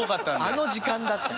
あの時間だった。